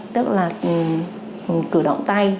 tức là cử động tay